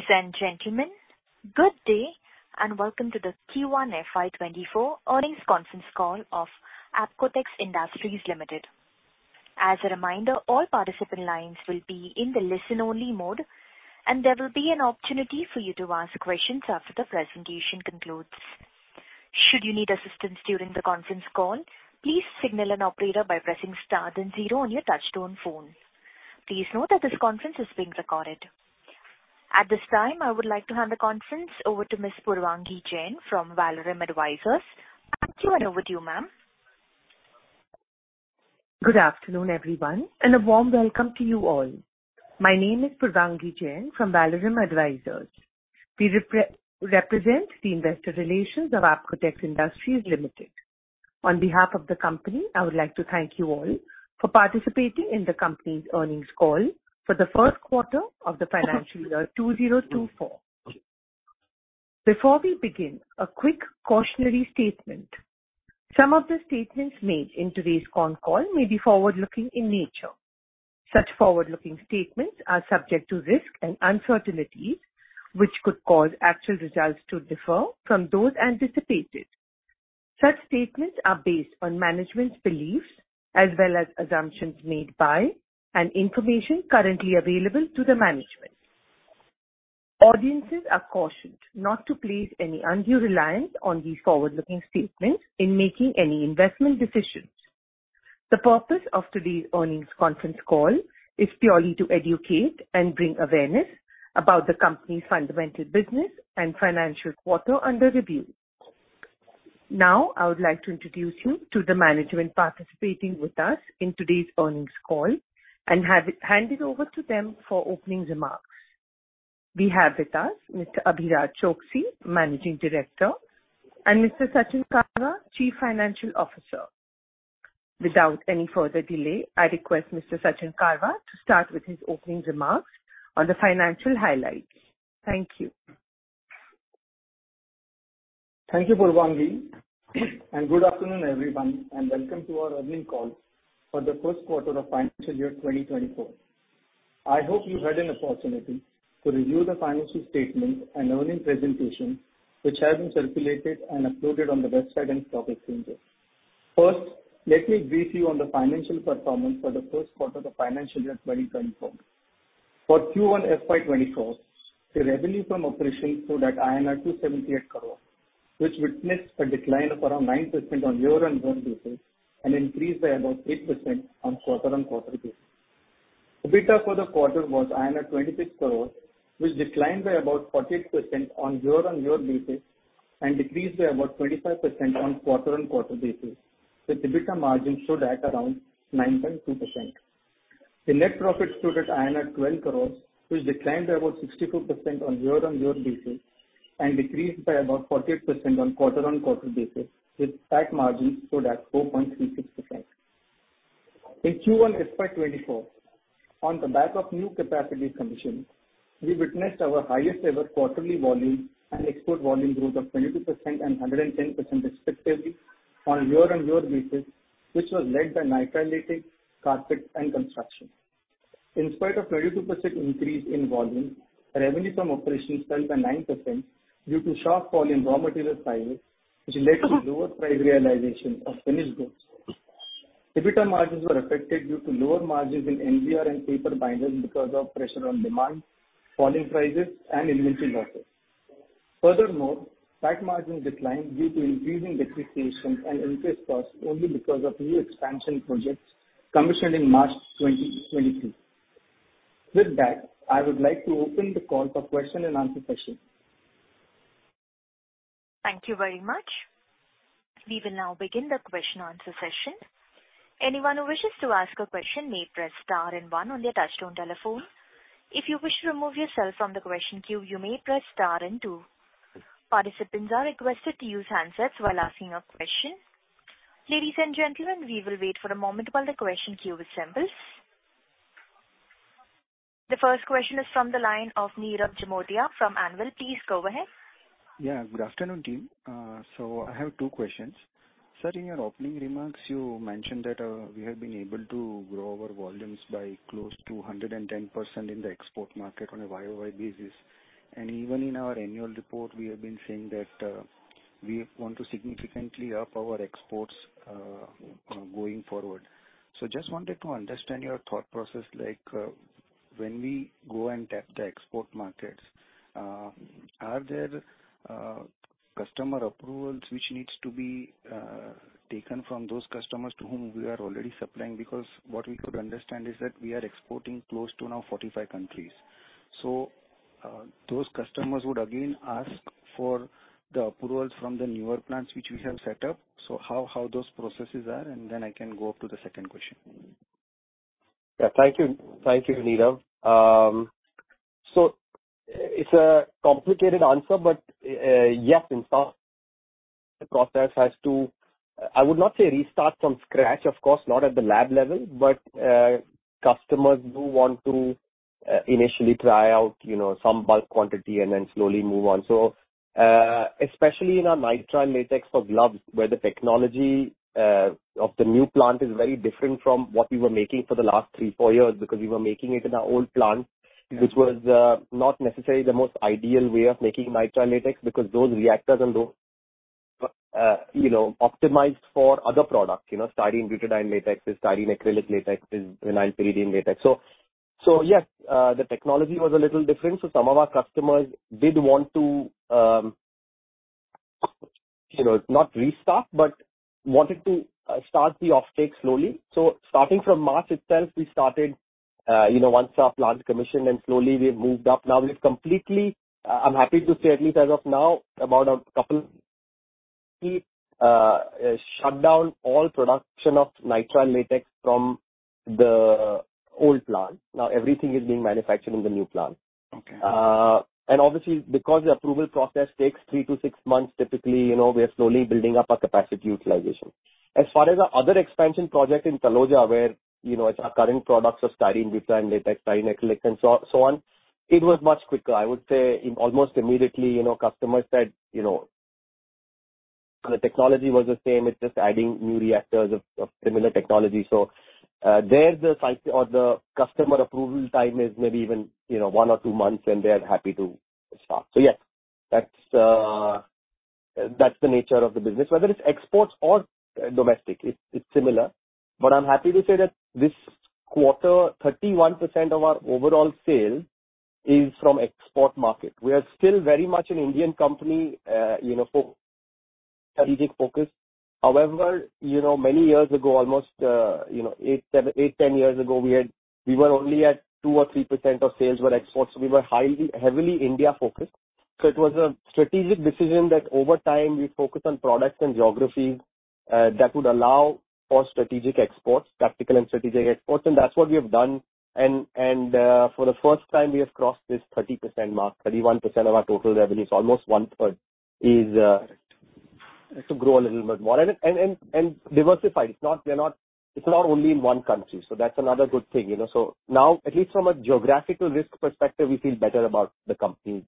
Ladies and gentlemen, good day. Welcome to the Q1 FY 2024 earnings conference call of Apcotex Industries Limited. As a reminder, all participant lines will be in the listen-only mode. There will be an opportunity for you to ask questions after the presentation concludes. Should you need assistance during the conference call, please signal an operator by pressing star then 0 on your touchtone phone. Please note that this conference is being recorded. At this time, I would like to hand the conference over to Ms. Purvangi Jain from Valorem Advisors. Thank you. Over to you, ma'am. Good afternoon, everyone, and a warm welcome to you all. My name is Purvangi Jain from Valorem Advisors. We represent the investor relations of Apcotex Industries Limited. On behalf of the company, I would like to thank you all for participating in the company's earnings call for the first quarter of the financial year 2024. Before we begin, a quick cautionary statement. Some of the statements made in today's con call may be forward-looking in nature. Such forward-looking statements are subject to risks and uncertainties, which could cause actual results to differ from those anticipated. Such statements are based on management's beliefs as well as assumptions made by and information currently available to the management. Audiences are cautioned not to place any undue reliance on these forward-looking statements in making any investment decisions. The purpose of today's earnings conference call is purely to educate and bring awareness about the company's fundamental business and financial quarter under review. Now, I would like to introduce you to the management participating with us in today's earnings call and hand it over to them for opening remarks. We have with us Mr. Abhiraj Choksey, Managing Director, and Mr. Sachin Karwa, Chief Financial Officer. Without any further delay, I request Mr. Sachin Karwa to start with his opening remarks on the financial highlights. Thank you. Thank you, Purvangi. Good afternoon, everyone, and welcome to our earnings call for the first quarter of financial year 2024. I hope you had an opportunity to review the financial statements and earnings presentation, which have been circulated and uploaded on the website and Stock Exchange. First, let me brief you on the financial performance for the first quarter of financial year 2024. For Q1 FY 2024, the revenue from operations stood at INR 278 crores, which witnessed a decline of around 9% on year-on-year basis and increased by about 8% on quarter-on-quarter basis. EBITDA for the quarter was 26 crores, which declined by about 48% on year-on-year basis and decreased by about 25% on quarter-on-quarter basis, with EBITDA margin stood at around 9.2%. The net profit stood at INR 12 crores, which declined by about 62% on year-on-year basis and decreased by about 48% on quarter-on-quarter basis, with tax margin stood at 4.36%. In Q1 FY 2024, on the back of new capacity commissioning, we witnessed our highest ever quarterly volume and export volume growth of 22% and 110% respectively on a year-on-year basis, which was led by nitrile latex, carpet, and construction. In spite of 22% increase in volume, revenue from operations fell by 9% due to sharp fall in raw material prices, which led to lower price realization of finished goods. EBITDA margins were affected due to lower margins in NBR and paper binders because of pressure on demand, falling prices, and inventory losses. Tax margins declined due to increasing depreciation and interest costs, only because of new expansion projects commissioned in March 2022. I would like to open the call for question and answer session. Thank you very much. We will now begin the question/answer session. Anyone who wishes to ask a question may press star one on their touchtone telephone. If you wish to remove yourself from the question queue, you may press star 2. Participants are requested to use handsets while asking a question. Ladies and gentlemen, we will wait for a moment while the question queue assembles. The first question is from the line of Nirav Jimudia from Anvil. Please go ahead. Yeah, good afternoon, team. I have two questions: Sir, in your opening remarks, you mentioned that we have been able to grow our volumes by close to 110% in the export market on a YOY basis. Even in our annual report, we have been saying that we want to significantly up our exports going forward. Just wanted to understand your thought process, like, when we go and tap the export markets, are there customer approvals which needs to be taken from those customers to whom we are already supplying? Because what we could understand is that we are exporting close to now 45 countries. Those customers would again ask for the approvals from the newer plants which we have set up. How those processes are? I can go to the second question. Yeah. Thank you. Thank you, Nirav. It's a complicated answer, but, yes, in fact, the process has to, I would not say restart from scratch, of course, not at the lab level, but, customers do want to, initially try out, you know, some bulk quantity and then slowly move on. Especially in our nitrile latex for gloves, where the technology, of the new plant is very different from what we were making for the last three, four years, because we were making it in our old plant which was, not necessarily the most ideal way of making nitrile latex, because those reactors and those. .You know, optimized for other products. You know, styrene butadiene latex is styrene acrylic latex is vinyl pyridine latex. Yes, the technology was a little different, so some of our customers did want to, you know, not restock, but wanted to, start the offtake slowly. Starting from March itself, we started, you know, once our plant commissioned and slowly we moved up. We've completely, I'm happy to say, at least as of now, about a couple shut down all production of nitrile latex from the old plant. Everything is being manufactured in the new plant. Obviously, because the approval process takes 3-6 months, typically, you know, we are slowly building up our capacity utilization. As far as our other expansion project in Taloja, where, you know, it's our current products of styrene butadiene latex, styrene acrylic, and so on, it was much quicker. I would say in almost immediately, you know, customers said, you know, the technology was the same, it's just adding new reactors of similar technology. There the customer approval time is maybe even, you know, 1 or 2 months, and they are happy to start. Yes, that's the nature of the business. Whether it's exports or domestic, it's similar. I'm happy to say that this quarter, 31% of our overall sales is from export market. We are still very much an Indian company, you know, for strategic focus. However, you know, many years ago, almost, you know, 7, 8, 10 years ago, we were only at 2 or 3% of sales were exports. We were highly, heavily India-focused. It was a strategic decision that over time, we focus on products and geographies that would allow for strategic exports, tactical and strategic exports, and that's what we have done. For the first time, we have crossed this 30% mark. 31% of our total revenue is almost 1/3, to grow a little bit more and diversify. It's not only in one country, so that's another good thing, you know. At least from a geographical risk perspective, we feel better about the company's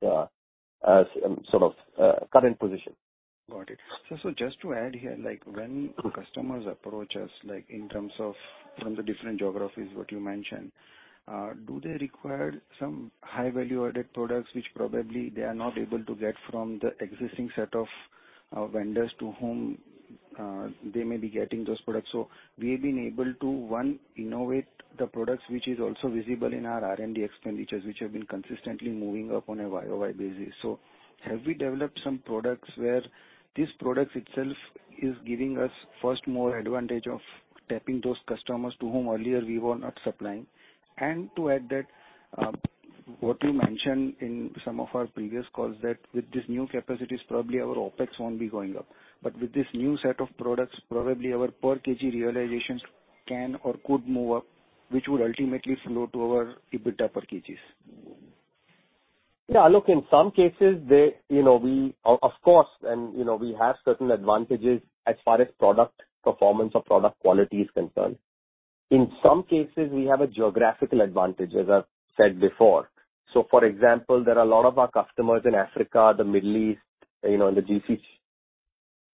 sort of current position. Got it. Just to add here, like, when customers approach us, like in terms of from the different geographies, what you mentioned, do they require some high-value added products, which probably they are not able to get from the existing set of vendors to whom they may be getting those products? We have been able to, one, innovate the products, which is also visible in our R&D expenditures, which have been consistently moving up on a YOY basis. Have we developed some products where these products itself is giving us, first, more advantage of tapping those customers to whom earlier we were not supplying? To add that, what we mentioned in some of our previous calls, that with these new capacities, probably our OpEx won't be going up. With this new set of products, probably our per kg realizations can or could move up, which would ultimately flow to our EBITDA per kgs. Look, in some cases, they, you know, we of course, and, you know, we have certain advantages as far as product performance or product quality is concerned. In some cases, we have a geographical advantage, as I've said before. For example, there are a lot of our customers in Africa, the Middle East, you know, in the GCC,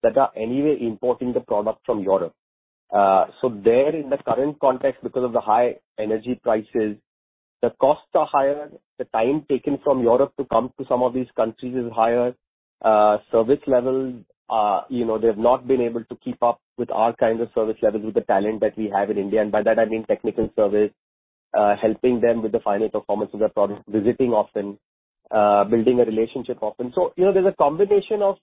that are anyway importing the product from Europe. There in the current context, because of the high energy prices, the costs are higher, the time taken from Europe to come to some of these countries is higher. Service levels, you know, they've not been able to keep up with our kind of service levels, with the talent that we have in India, and by that I mean technical service, helping them with the final performance of their products, visiting often, building a relationship often. You know, there's a combination of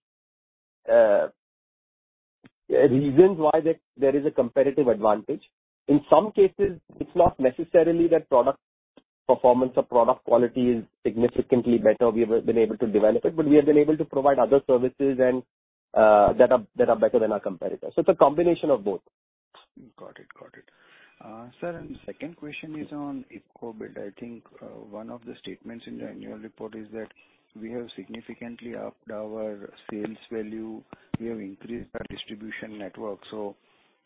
reasons why there is a competitive advantage. In some cases, it's not necessarily that product performance or product quality is significantly better, we have been able to develop it, but we have been able to provide other services and that are better than our competitors. It's a combination of both. Got it. Got it. Sir, the second question is on EBITDA. I think, one of the statements in the annual report is that we have significantly upped our sales value, we have increased our distribution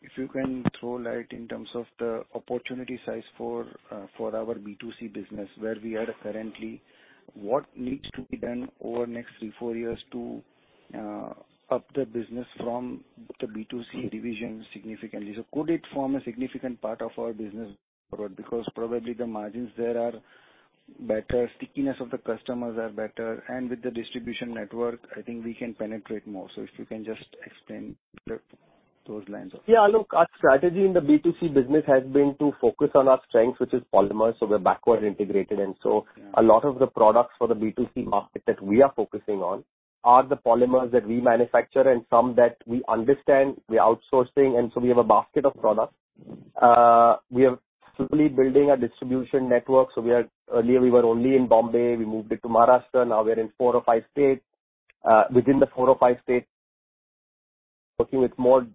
network. If you can throw light in terms of the opportunity size for our B2C business, where we are currently, what needs to be done over the next three, four years to up the business from the B2C division significantly? Could it form a significant part of our business forward? Probably the margins there are better, stickiness of the customers are better, with the distribution network, I think we can penetrate more. If you can just explain those lines. Yeah, look, our strategy in the B2C business has been to focus on our strengths, which is polymers. We're backward integrated. A lot of the products for the B2C market that we are focusing on are the polymers that we manufacture and some that we understand, we're outsourcing, and so we have a basket of products. We are slowly building a distribution network. Earlier we were only in Bombay, we moved it to Maharashtra. Now we're in four or five states. Within the four or five states, working with more,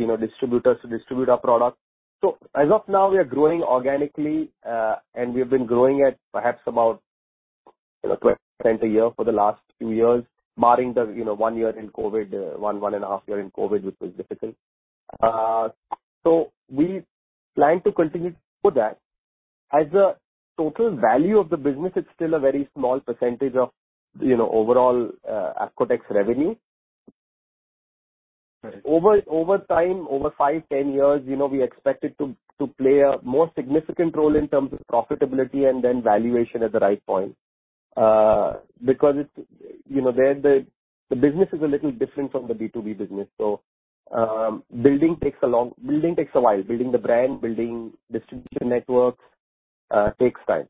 you know, distributors to distribute our products. As of now, we are growing organically, and we've been growing at perhaps about, you know, 20% a year for the last few years, barring the, you know, one year in COVID, one and 1/2 year in COVID, which was difficult. We plan to continue to do that. As a total value of the business, it's still a very small percentage of, you know, overall Apcotex revenue. Over time, over 5, 10 years, you know, we expect it to play a more significant role in terms of profitability and then valuation at the right point. Because it's, you know, there the business is a little different from the B2B business. Building takes a while. Building the brand, building distribution networks, takes time.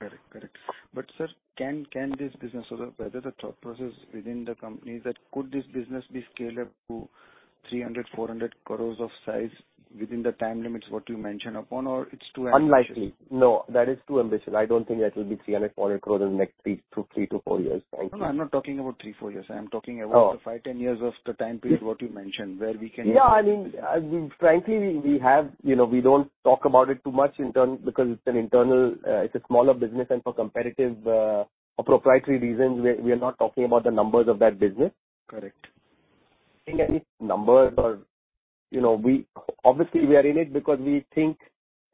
Correct. Correct. Sir, can this business or whether the thought process within the company is that could this business be scaled up to 300 crores, 400 crores of size within the time limits, what you mentioned upon, or it's too ambitious? Unlikely. No, that is too ambitious. I don't think that will be 300, 400 crores in the next three to four years, frankly. No, I'm not talking about three, four years. I am talking. Oh. the five, 10 years of the time period what you mentioned, where we can-. I mean, frankly, you know, we don't talk about it too much in term because it's an internal, it's a smaller business and for competitive, or proprietary reasons, we are not talking about the numbers of that business. Correct. I think any numbers or, you know, obviously, we are in it because we think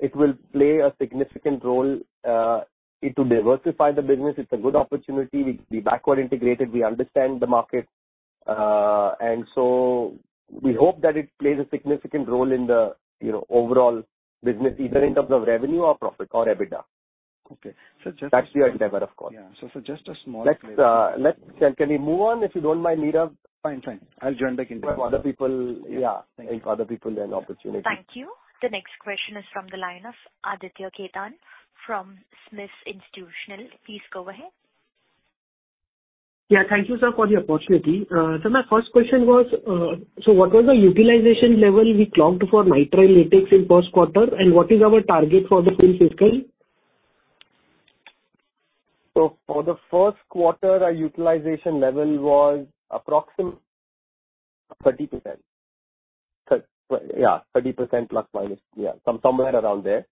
it will play a significant role, it to diversify the business. It's a good opportunity. We backward integrated, we understand the market, we hope that it plays a significant role in the, you know, overall business, either in terms of revenue or profit or EBITDA. Okay. That's the endeavor, of course just a. Let's, can we move on, if you don't mind, Nirav? Fine, fine. I'll join back in. For other people. Yeah, give other people an opportunity. Thank you. The next question is from the line of Aditya Khemka from InCred Asset Management. Please go ahead. Yeah, thank you, sir, for the opportunity. My first question was, what was the utilization level we clocked for nitrile latex in first quarter, and what is our target for the full fiscal? For the first quarter, our utilization level was approximate 30%. 30%+, minus, somewhere around there.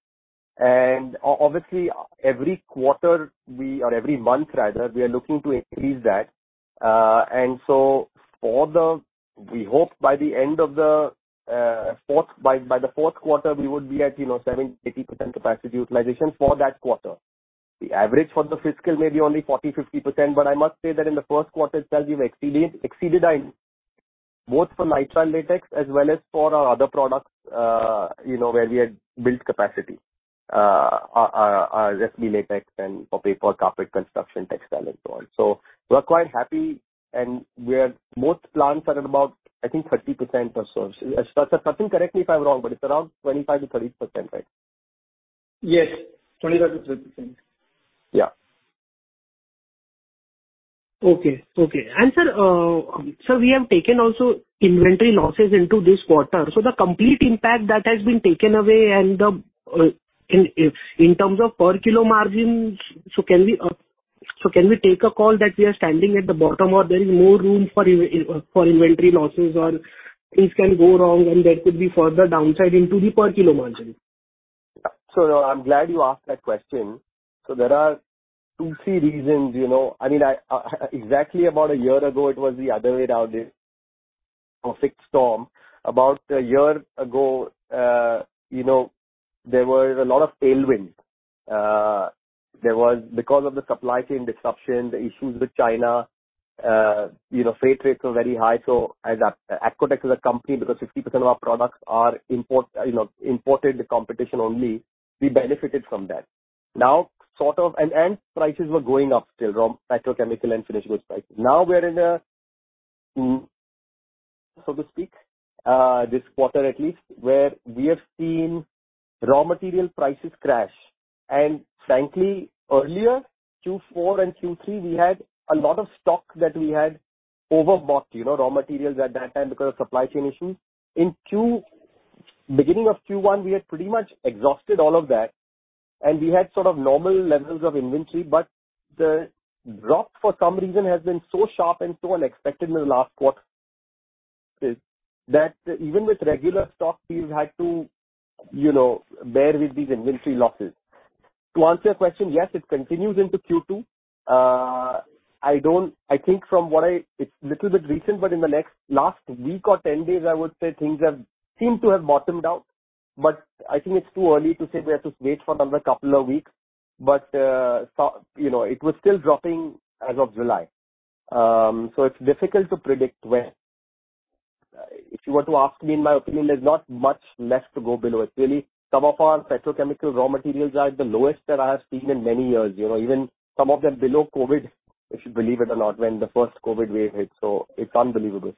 Obviously, every quarter we or every month rather, we are looking to increase that. We hope by the end of the fourth, by the fourth quarter, we would be at, you know, 70%, 80% capacity utilization for that quarter. The average for the fiscal may be only 40%, 50%, but I must say that in the first quarter itself, we've exceeded it, both for nitrile latex as well as for our other products, you know, where we had built capacity, recipe latex and for paper, carpet, construction, textile, and so on. We're quite happy, and we are most plants are at about, I think, 30% or so. Correct me if I'm wrong, but it's around 25%-30%, right? Yes, 25%-30%. Yeah. Okay. Okay. Sir, sir, we have taken also inventory losses into this quarter, the complete impact that has been taken away and the in terms of per kilo margins, can we take a call that we are standing at the bottom or there is more room for inventory losses or things can go wrong and there could be further downside into the per kilo margin? I'm glad you asked that question. There are 2, 3 reasons, you know. I mean, I, exactly about a year ago, it was the other way around it, a perfect storm. About a year ago, you know, there were a lot of tailwinds. There was because of the supply chain disruption, the issues with China, you know, freight rates were very high. As Apcotex is a company, because 50% of our products are import, you know, imported, the competition only, we benefited from that. Now, sort of... Prices were going up still, raw petrochemical and finished goods prices. Now we're in a, so to speak, this quarter at least, where we have seen raw material prices crash. Frankly, earlier, Q4 and Q3, we had a lot of stock that we had overbought, you know, raw materials at that time because of supply chain issues. Beginning of Q1, we had pretty much exhausted all of that, and we had sort of normal levels of inventory, but the drop, for some reason, has been so sharp and so unexpected in the last quarter, that even with regular stock, we've had to, you know, bear with these inventory losses. To answer your question, yes, it continues into Q2. I think from what I... It's little bit recent, but in the next last week or 10 days, I would say things have seemed to have bottomed out, but I think it's too early to say. We have to wait for another couple of weeks. You know, it was still dropping as of July. It's difficult to predict when. If you were to ask me, in my opinion, there's not much left to go below. It's really some of our petrochemical raw materials are at the lowest that I have seen in many years. You know, even some of them below COVID, if you believe it or not, when the first COVID wave hit. It's unbelievable.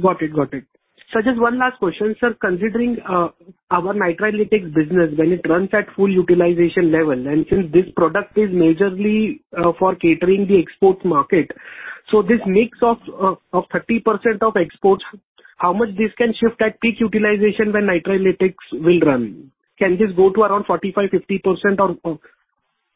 Got it. Got it. Sir, just one last question. Sir, considering our nitrile latex business, when it runs at full utilization level, and since this product is majorly for catering the export market, this mix of 30% of exports, how much this can shift at peak utilization when nitrile latex will run? Can this go to around 45%-50%?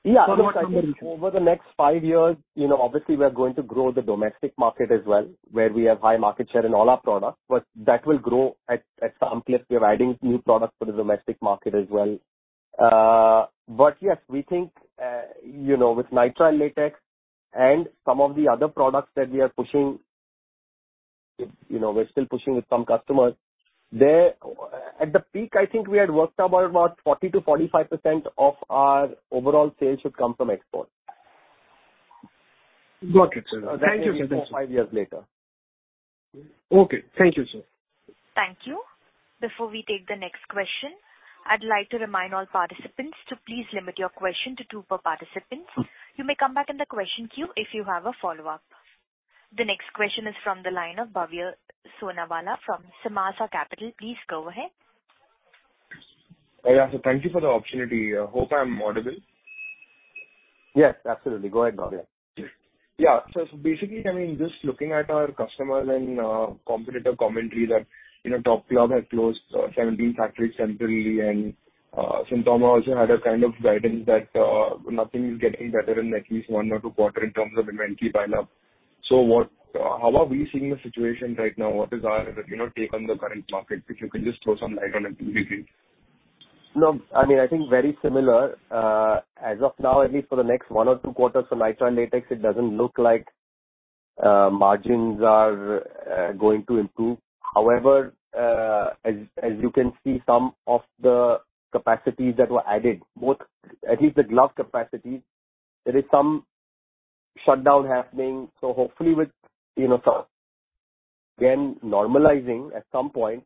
Yeah. Over the next five years, you know, obviously, we are going to grow the domestic market as well, where we have high market share in all our products. That will grow at some place. We are adding new products for the domestic market as well. Yes, we think, you know, with nitrile latex and some of the other products that we are pushing, you know, we're still pushing with some customers. There, at the peak, I think we had worked about 40%-45% of our overall sales should come from export.... Got it, sir. Thank it, sir. That will be four, five years later. Okay. Thank you, sir. Thank you. Before we take the next question, I'd like to remind all participants to please limit your question to two per participant. You may come back in the question queue if you have a follow-up. The next question is from the line of Bhavya Sonawala from Samaasa Capital. Please go ahead. Yeah. Thank you for the opportunity. Hope I'm audible. Yes, absolutely. Go ahead, Bhavya. Yeah. Basically, I mean, just looking at our customer and competitor commentary that, you know, Top Glove has closed 17 factories centrally, and Synthomer also had a kind of guidance that nothing is getting better in at least one or two quarter in terms of inventory pile up. How are we seeing the situation right now? What is our, you know, take on the current market? If you can just throw some light on it, please. No, I mean, I think very similar. As of now, at least for the next 1 or 2 quarters for nitrile latex, it doesn't look like margins are going to improve. However, as you can see, some of the capacities that were added. At least the glove capacities, there is some shutdown happening. Hopefully with, you know, start again normalizing at some point,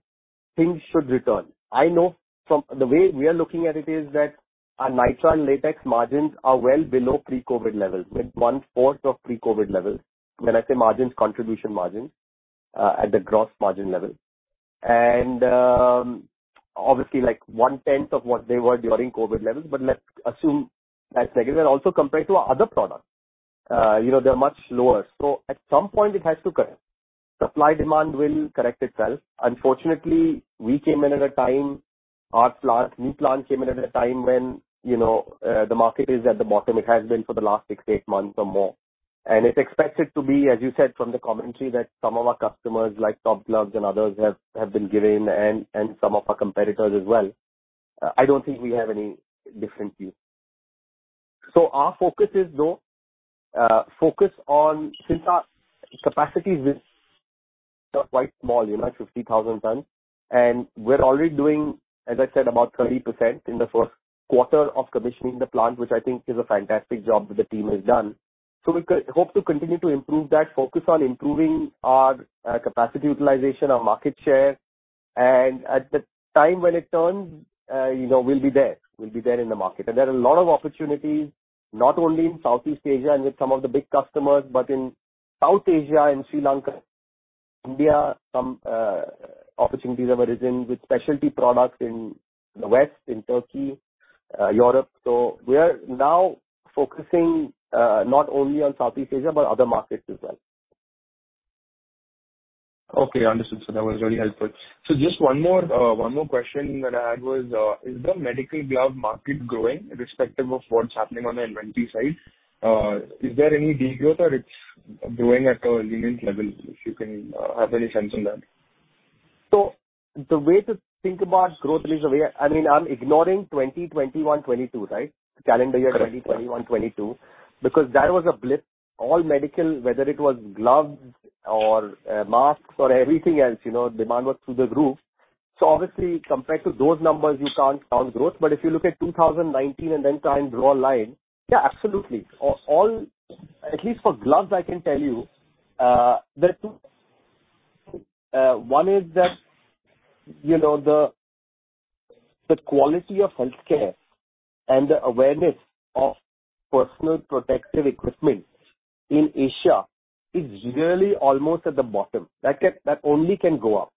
things should return. I know from the way we are looking at it, is that our nitrile latex margins are well below pre-COVID levels, with 1/4 of pre-COVID levels. When I say margins, contribution margins, at the gross margin level. Obviously, like 1/10 of what they were during COVID levels. Let's assume that's negative. Also compared to our other products, you know, they're much lower. At some point it has to correct. Supply-demand will correct itself. Unfortunately, we came in at a time, our plant, new plant came in at a time when, you know, the market is at the bottom. It has been for the last 6, 8 months or more, and it's expected to be, as you said, from the commentary that some of our customers, like Top Gloves and others, have been giving and some of our competitors as well. I don't think we have any different view. Our focus is, though, focus on since our capacities are quite small, you know, 50,000 tonnes, and we're already doing, as I said, about 30% in the first quarter of commissioning the plant, which I think is a fantastic job that the team has done. We hope to continue to improve that focus on improving our capacity utilization, our market share, and at the time when it turns, you know, we'll be there. We'll be there in the market. There are a lot of opportunities, not only in Southeast Asia and with some of the big customers, but in South Asia, in Sri Lanka, India, some opportunities have arisen with specialty products in the West, in Turkey, Europe. We are now focusing, not only on Southeast Asia, but other markets as well. Okay, understood, sir. That was very helpful. Just one more, one more question that I had was, is the medical glove market growing irrespective of what's happening on the inventory side? Is there any decline or it's growing at a lenient level, if you can have any sense on that? The way to think about growth is the way. I mean, I'm ignoring 20, 21, 22, right? Calendar year 20, 21, 22, because that was a blip. All medical, whether it was gloves or masks or everything else, you know, demand was through the roof. Obviously, compared to those numbers, you can't count growth. If you look at 2019 and then try and draw a line. Yeah, absolutely. All, at least for gloves, I can tell you, there are 2. One is that, you know, the quality of healthcare and the awareness of personal protective equipment in Asia is really almost at the bottom. That only can go up.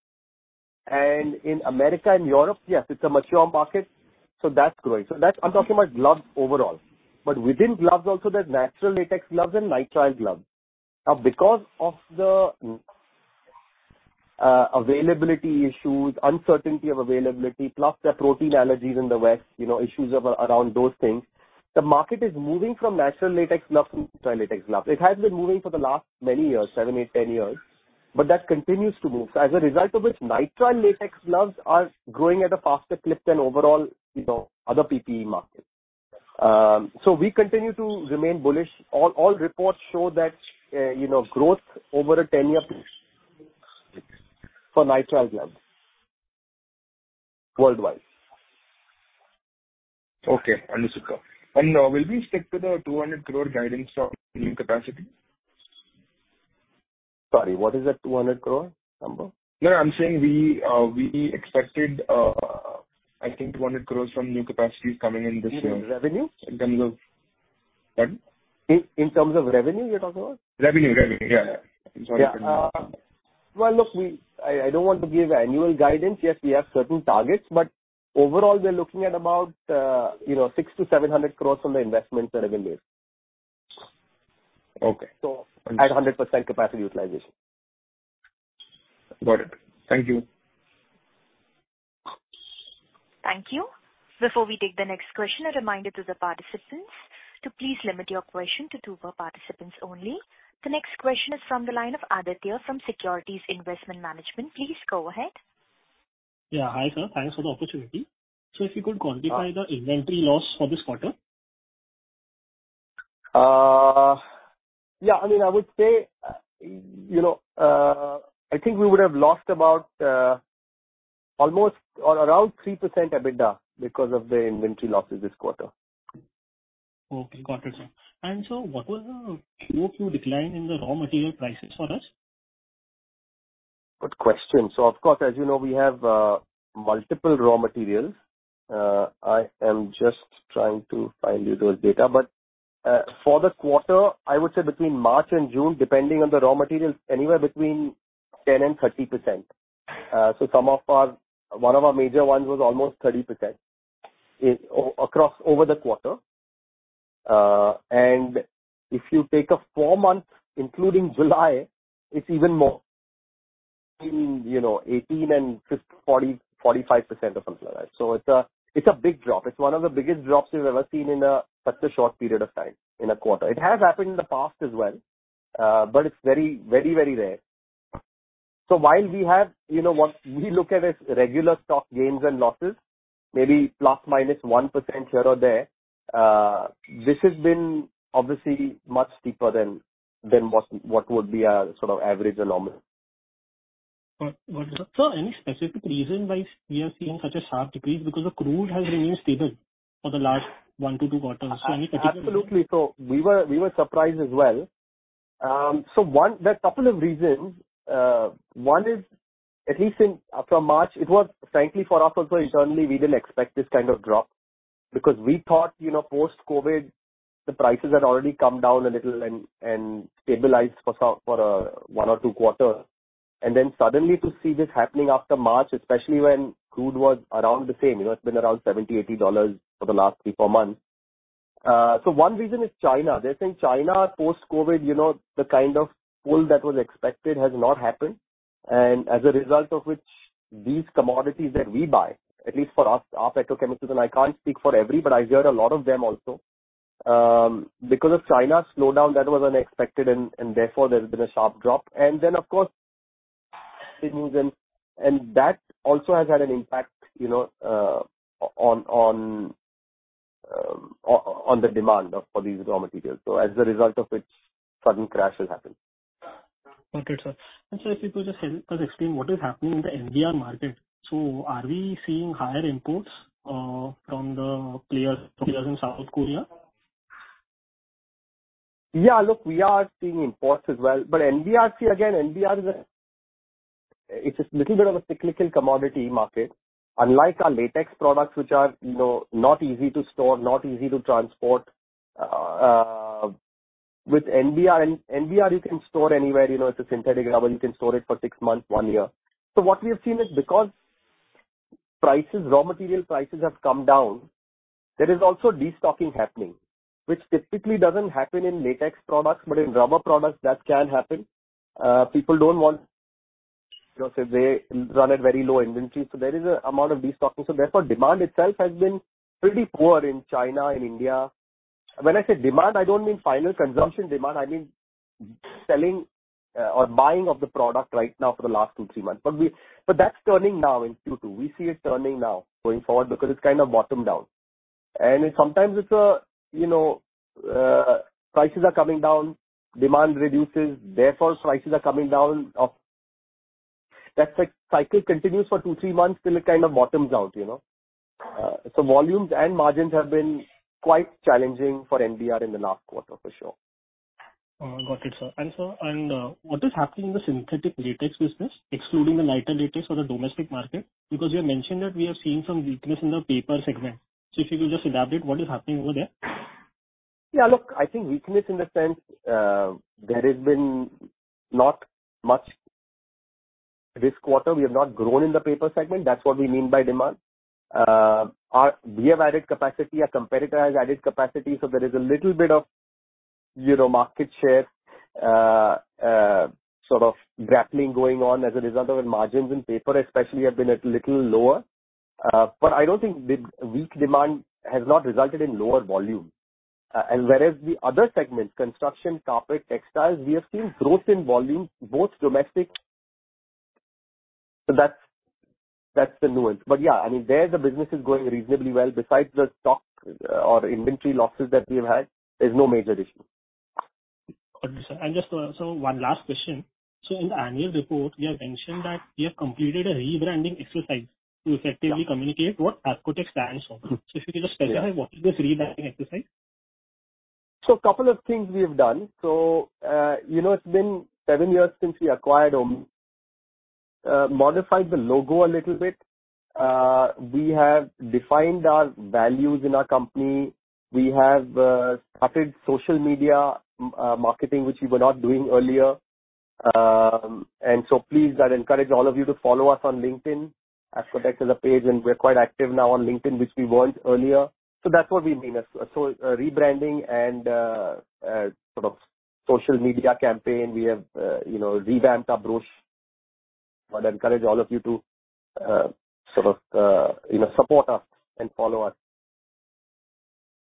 In America and Europe, yes, it's a mature market, that's growing. That's, I'm talking about gloves overall, but within gloves also there's natural latex gloves and nitrile gloves. Because of the availability issues, uncertainty of availability, plus the protein allergies in the West, you know, issues around those things, the market is moving from natural latex gloves to nitrile latex gloves. It has been moving for the last many years, 7, 8, 10 years, but that continues to move. As a result of which, nitrile latex gloves are growing at a faster clip than overall, you know, other PPE markets. We continue to remain bullish. All reports show that, you know, growth over a 10-year for nitrile gloves worldwide. Okay, understood, sir. Will we stick to the 200 crore guidance on new capacity? Sorry, what is that 200 crore number? No, I'm saying we expected, I think 200 cores from new capacity coming in this year. In terms of revenue? In terms of... Pardon? In terms of revenue, you're talking about? Revenue. Revenue, yeah. Sorry. Yeah. Well, look, I don't want to give annual guidance. Yes, we have certain targets. Overall, we are looking at about, you know, 600-700 crores from the investment revenue base. Okay. At a 100% capacity utilization. Got it. Thank you. Thank you. Before we take the next question, a reminder to the participants to please limit your question to 2 per participant only. The next question is from the line of Aditya from Securities Investment Management. Please go ahead. Yeah. Hi, sir. Thanks for the opportunity. If you could quantify the inventory loss for this quarter? Yeah, I mean, I would say, you know, I think we would have lost about almost or around 3% EBITDA because of the inventory losses this quarter. Okay, got it, sir. What was the QOQ decline in the raw material prices for us? Good question. Of course, as you know, we have multiple raw materials. I am just trying to find you those data, but for the quarter, I would say between March and June, depending on the raw materials, anywhere between 10% and 30%. Some of our one of our major ones was almost 30% across over the quarter. If you take a 4 month, including July, it's even more. In, you know, 18% and just 40%-45% or something like that. It's a big drop. It's one of the biggest drops we've ever seen in such a short period of time, in 1/4. It has happened in the past as well, but it's very, very, very rare. While we have, you know, what we look at as regular stock gains and losses, maybe ±1% here or there, this has been obviously much steeper than what would be our sort of average or normal. Got it. Any specific reason why we are seeing such a sharp decrease? Because the crude has remained stable for the last one to two quarters. Any particular reason? Absolutely. We were surprised as well. There are a couple of reasons. One is at least in from March, it was frankly for us also internally, we didn't expect this kind of drop because we thought, you know, post-COVID, the prices had already come down a little and stabilized for some, for one or two quarters. Then suddenly to see this happening after March, especially when crude was around the same, you know, it's been around $70-$80 for the last 3-4 months. One reason is China. They're saying China, post-COVID, you know, the kind of pull that was expected has not happened. As a result of which, these commodities that we buy, at least for us, our petrochemicals, and I can't speak for every, but I hear a lot of them also, because of China's slowdown, that was unexpected and therefore, there's been a sharp drop. Then, of course, it moves in. That also has had an impact, you know, on, on the demand of, for these raw materials. As a result of which, sudden crash has happened. Okay, sir. If you could just help us explain what is happening in the NBR market. Are we seeing higher imports from the players in South Korea? Yeah, look, we are seeing imports as well. NBR is a little bit of a cyclical commodity market. Unlike our latex products, which are, you know, not easy to store, not easy to transport, with NBR, you can store anywhere, you know, it's a synthetic rubber, you can store it for six months, one year. What we have seen is because prices, raw material prices have come down, there is also destocking happening, which typically doesn't happen in latex products, but in rubber products, that can happen. Because they run at very low inventory, there is an amount of destocking. Therefore, demand itself has been pretty poor in China, in India. When I say demand, I don't mean final consumption demand, I mean selling, or buying of the product right now for the last 2, 3 months. That's turning now in Q2. We see it turning now going forward because it's kind of bottomed out. Sometimes it's a, you know, prices are coming down, demand reduces, therefore, prices are coming down. That cycle continues for 2, 3 months till it kind of bottoms out, you know. Volumes and margins have been quite challenging for NBR in the last quarter, for sure. Got it, sir. Sir, and, what is happening in the synthetic latex business, excluding the nitrile latex for the domestic market? You have mentioned that we are seeing some weakness in the paper segment. If you could just elaborate, what is happening over there? Look, I think weakness in the sense, there has been not much this quarter. We have not grown in the paper segment. That's what we mean by demand. We have added capacity, our competitor has added capacity, so there is a little bit of, you know, market share, sort of grappling going on. As a result of it, margins in paper especially, have been a little lower. I don't think the weak demand has not resulted in lower volume. Whereas the other segments, construction, carpet, textiles, we have seen growth in volume, both domestic... That's, that's the nuance. I mean, there the business is going reasonably well. Besides the stock or inventory losses that we've had, there's no major issue. Got it, sir. Just one last question? In the annual report, you have mentioned that you have completed a rebranding exercise to effectively communicate what Apcotex stands for. If you could just specify what is this rebranding exercise? A couple of things we have done. You know, it's been seven years since we acquired Omi. Modified the logo a little bit. We have defined our values in our company. We have started social media marketing, which we were not doing earlier. Please, I'd encourage all of you to follow us on LinkedIn. Apcotex has a page, and we're quite active now on LinkedIn, which we weren't earlier. That's what we mean. Rebranding and sort of social media campaign. We have, you know, revamped our brochure. I'd encourage all of you to sort of, you know, support us and follow us.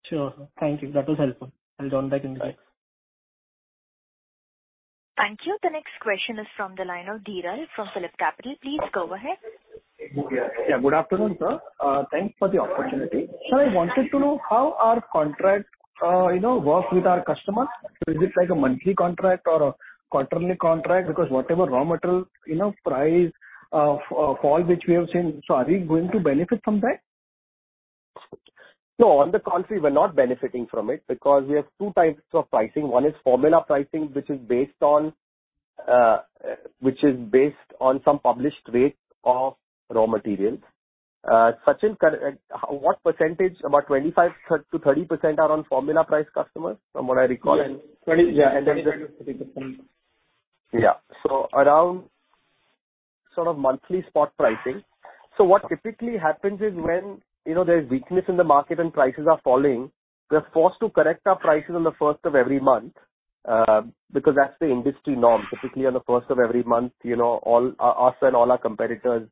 Sure, sir. Thank you. That was helpful. I'll join back in, bye. Thank you. The next question is from the line of Viral Shah from PhillipCapital. Please, go ahead. Yeah, good afternoon, sir. Thanks for the opportunity. Sir, I wanted to know how our contract, you know, works with our customers. Is it like a monthly contract or a quarterly contract? Whatever raw material, you know, price fall, which we have seen, are we going to benefit from that? No, on the contrary, we're not benefiting from it because we have two types of pricing. One is formula pricing, which is based on, which is based on some published rates of raw materials. Sachin, can, what percentage, about 25-30% are on formula price customers, from what I recall? Yes. 20, yeah, 20%-30%. Yeah. Around sort of monthly spot pricing. What typically happens is when, you know, there's weakness in the market and prices are falling, we're forced to correct our prices on the first of every month, because that's the industry norm. Typically, on the first of every month, you know, all us and all our competitors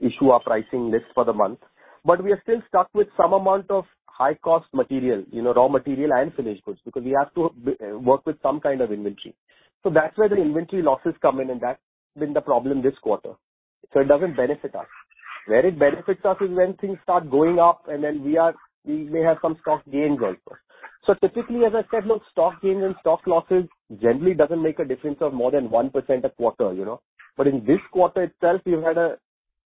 issue our pricing lists for the month. We are still stuck with some amount of high-cost material, you know, raw material and finished goods, because we have to work with some kind of inventory. That's where the inventory losses come in, and that's been the problem this quarter. It doesn't benefit us. Where it benefits us is when things start going up and then we may have some stock gains also. Typically, as I said, look, stock gains and stock losses generally doesn't make a difference of more than 1% a quarter, you know. In this quarter itself, you had a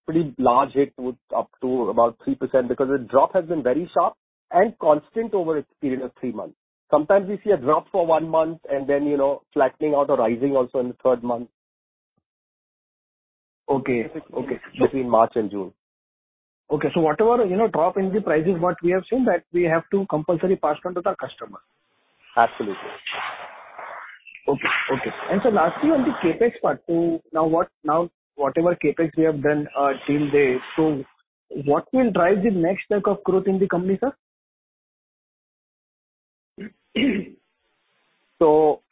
pretty large hit with up to about 3%, because the drop has been very sharp and constant over a period of 3 months. Sometimes we see a drop for 1 month and then, you know, flattening out or rising also in the third month. Okay. Between March and June. Okay, whatever, you know, drop in the prices, what we have seen that we have to compulsory pass on to the customer. Absolutely. Okay. Okay. Lastly, on the CapEx part, whatever CapEx we have done till date, what will drive the next leg of growth in the company, sir?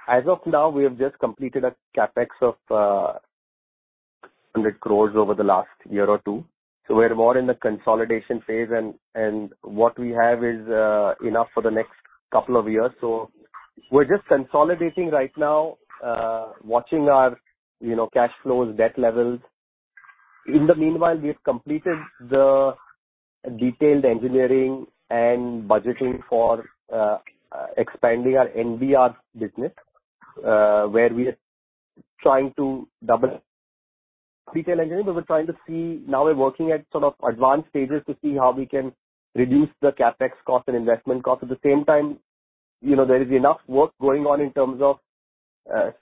As of now, we have just completed a CapEx of 100 crores over the last year or two. We're more in the consolidation phase, and what we have is enough for the next couple of years. We're just consolidating right now, watching our, you know, cash flows, debt levels. In the meanwhile, we have completed the detailed engineering and budgeting for expanding our NBR business. Detail engineering, we're trying to see, now we're working at sort of advanced stages to see how we can reduce the CapEx cost and investment cost. At the same time, you know, there is enough work going on in terms of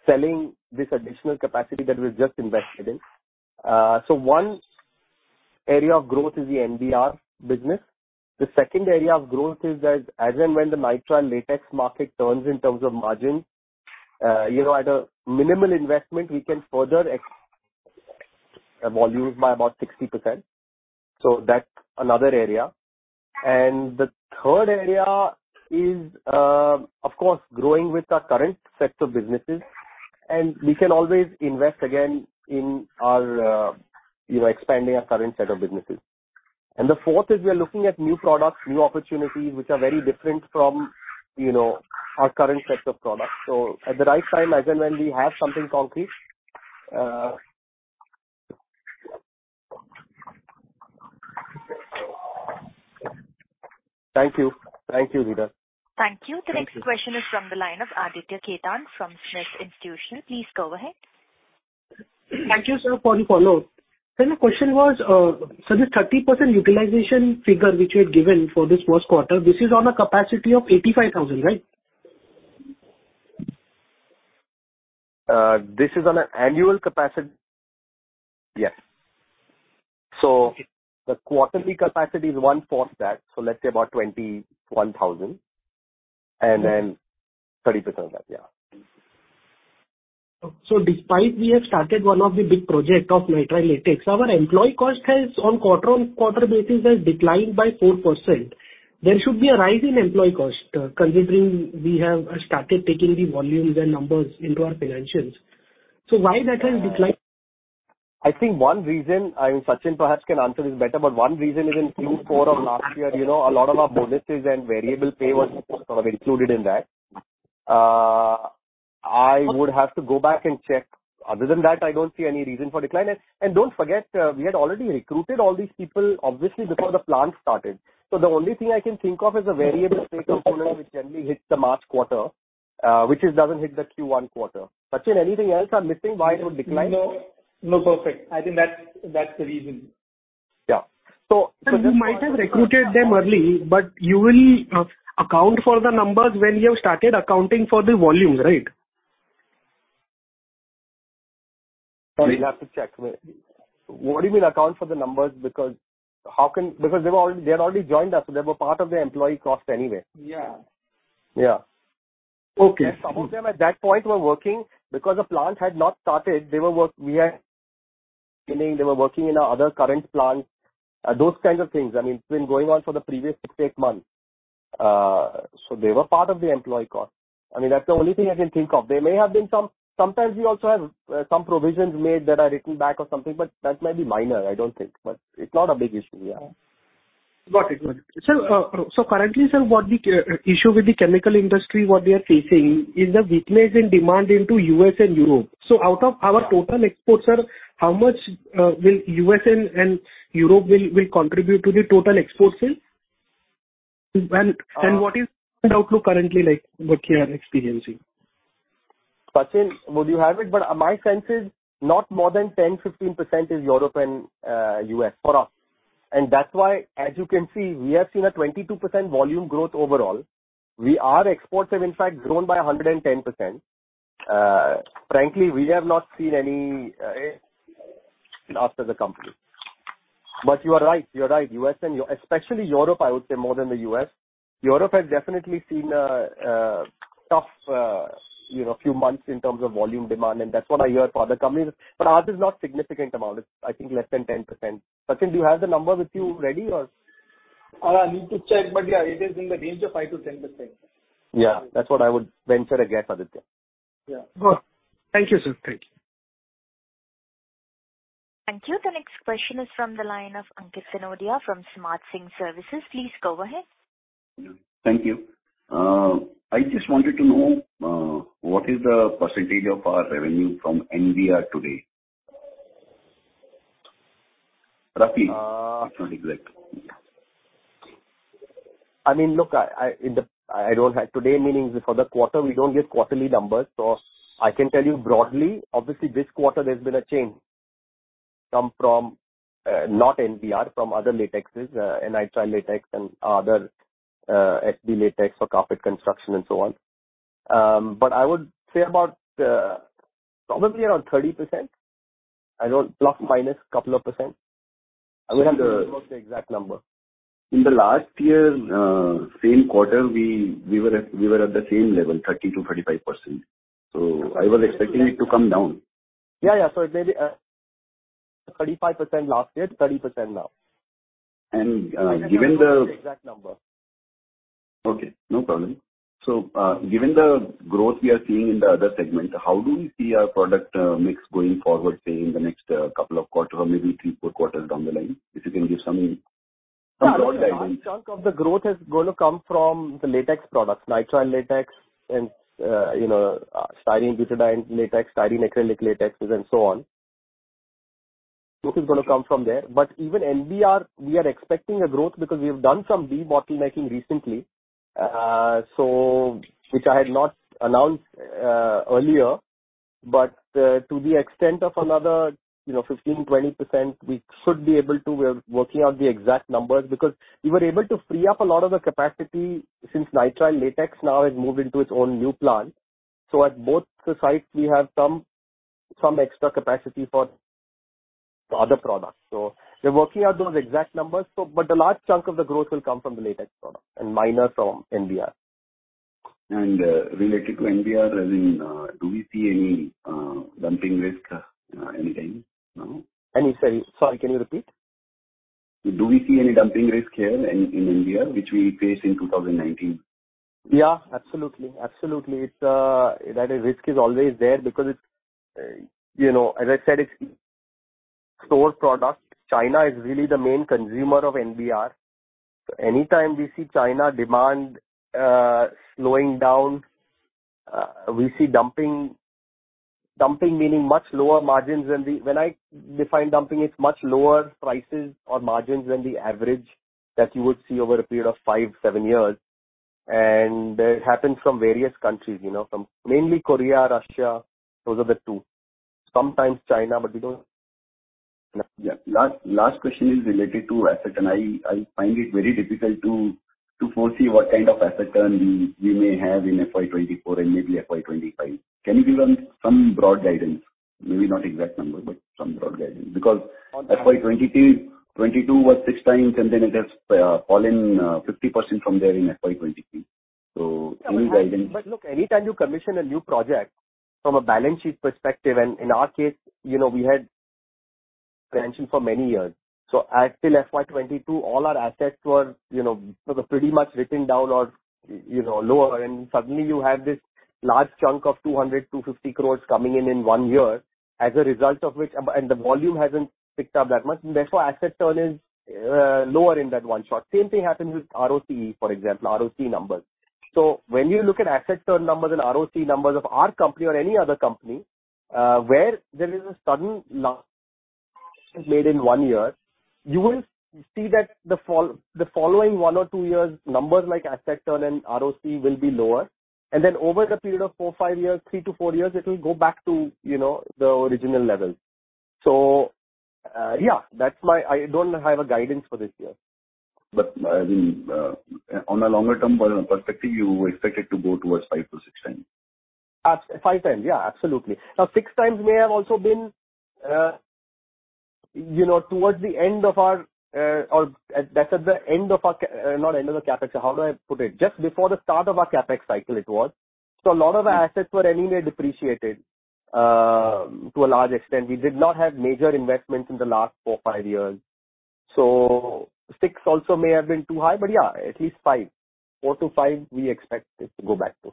selling this additional capacity that we've just invested in. One area of growth is the NBR business. The second area of growth is as and when the nitrile latex market turns in terms of margins, you know, at a minimal investment, we can further ex- volumes by about 60%. That's another area. The third area is, of course, growing with our current set of businesses, and we can always invest again in our, you know, expanding our current set of businesses. The fourth is we are looking at new products, new opportunities, which are very different from, you know, our current set of products. At the right time, as and when we have something concrete... Thank you. Thank you, Abhiraj. Thank you. The next question is from the line of Aditya Khemka from SMIFS Institutional Equities. Please go ahead. Thank you, sir. One follow. Sir, my question was, this 30% utilization figure, which you had given for this first quarter, this is on a capacity of 85,000, right? This is on an annual capacity. Yes. The quarterly capacity is one-fourth that, so let's say about 21,000, and then 30% of that. Yeah. Despite we have started one of the big project of nitrile latex, our employee cost has, on quarter-over-quarter basis, has declined by 4%. There should be a rise in employee cost, considering we have started taking the volumes and numbers into our financials. Why that has declined? I think one reason, Sachin perhaps can answer this better, but one reason is in Q4 of last year, you know, a lot of our bonuses and variable pay was sort of included in that. I would have to go back and check. Other than that, I don't see any reason for decline. Don't forget, we had already recruited all these people, obviously, before the plant started. The only thing I can think of is a variable pay component, which generally hits the March quarter, which it doesn't hit the Q1 quarter. Sachin, anything else I'm missing why it would decline? No. No, perfect. I think that's the reason. Yeah. You might have recruited them early, but you will account for the numbers when you have started accounting for the volumes, right? Sorry, we'll have to check. What do you mean account for the numbers? They had already joined us, so they were part of the employee cost anyway. Yeah. Yeah. Okay. Some of them, at that point, were working. Because the plant had not started, they were working in our other current plant, those kinds of things. I mean, it's been going on for the previous 6, 8 months. They were part of the employee cost. I mean, that's the only thing I can think of. There may have been sometimes we also have some provisions made that are written back or something, but that might be minor, I don't think, but it's not a big issue. Yeah. Got it. Got it. Sir, currently, sir, what the issue with the chemical industry, what we are facing, is the weakness in demand into U.S. and Europe. Out of our total exports, sir, how much will U.S. and Europe will contribute to the total exports, sir? What is the outlook currently like, what we are experiencing? Sachin, would you have it? My sense is not more than 10-15% is Europe and U.S. for us. That's why, as you can see, we have seen a 22% volume growth overall. Our exports have in fact grown by 110%. Frankly, we have not seen any after the company. You are right, you're right, U.S. and Europe. Especially Europe, I would say more than the U.S. Europe has definitely seen a tough, you know, few months in terms of volume demand, and that's what I hear for other companies. Ours is not significant amount. It's I think less than 10%. Sachin, do you have the number with you ready, or? I need to check, but, yeah, it is in the range of 5%-10%. Yeah, that's what I would venture a guess, Aditya. Thank you, sir. Thank you. Thank you. The next question is from the line of Ankit Kanodia from Smart Sync Services. Please go ahead. Thank you. I just wanted to know, what is the % of our revenue from NBR today? Roughly, if you know exactly. I mean, look, I don't have today, meaning for the quarter, we don't give quarterly numbers. I can tell you broadly. Obviously, this quarter there's been a change come from, not NBR, from other latexes, nitrile latex and other, SB latex for carpet construction and so on. I would say about, probably around 30%. I know, +-2%. I would have to look the exact number. In the last year, same quarter, we were at the same level, 30%-35%. I was expecting it to come down. Yeah, yeah. It may be 35% last year, 30% now. And uh, given the. I don't know the exact number. Okay, no problem. Given the growth we are seeing in the other segment, how do we see our product mix going forward, say, in the next couple of quarters or maybe three, four quarters down the line? If you can give some broad guidance. Chunk of the growth is gonna come from the latex products, nitrile latex, and styrene butadiene latex, styrene acrylic latexes, and so on. Growth is gonna come from there. Even NBR, we are expecting a growth because we have done some debottlenecking recently. Which I had not announced earlier, but to the extent of another, 15%-20%, we should be able to. We are working out the exact numbers because we were able to free up a lot of the capacity since nitrile latex now has moved into its own new plant. At both the sites, we have some extra capacity for the other products. We're working out those exact numbers. The large chunk of the growth will come from the latex product and minor from NBR. Related to NBR, as in, do we see any dumping risk anytime now? Sorry. Sorry, can you repeat? Do we see any dumping risk here in India, which we faced in 2019? Yeah, absolutely. Absolutely. It's that risk is always there because it's, you know, as I said, it's store product. China is really the main consumer of NBR. Anytime we see China demand slowing down, we see dumping. Dumping, meaning much lower margins. When I define dumping, it's much lower prices or margins than the average that you would see over a period of 5, 7 years. It happens from various countries, you know, from mainly Korea, Russia, those are the two. Sometimes China, but we don't. Yeah. Last question is related to asset, I find it very difficult to foresee what kind of asset turn we may have in FY 2024 and maybe FY 2025. Can you give them some broad guidance? Maybe not exact number, but some broad guidance. FY 2022 was six times, and then it has fallen 50% from there in FY 2023. Any guidance? Look, anytime you commission a new project from a balance sheet perspective, and in our case, you know, we had pension for many years. Till FY 2022, all our assets were, you know, were pretty much written down or, you know, lower, and suddenly you have this large chunk of 200-250 crores coming in in one year, as a result of which. The volume hasn't picked up that much, and therefore, asset turn is lower in that one shot. Same thing happened with ROC, for example, ROC numbers. When you look at asset turn numbers and ROC numbers of our company or any other company, where there is a sudden large made in 1 year, you will see that the following 1 or 2 years, numbers like asset turn and ROC will be lower, and then over the period of 4, 5 years, 3-4 years, it will go back to, you know, the original level. Yeah, that's my. I don't have a guidance for this year. I mean, on a longer term perspective, you expect it to go towards 5 to 6 times? 5 times. Yeah, absolutely. Now, 6 times may have also been, you know, towards the end of our, or that's at the end of our, not end of the CapEx. How do I put it? Just before the start of our CapEx cycle, it was. A lot of our assets were anyway depreciated to a large extent. We did not have major investments in the last 4, 5 years, 6 also may have been too high, but yeah, at least 5. 4-5, we expect it to go back to.